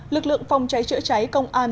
lực lượng phòng cháy chữa cháy công an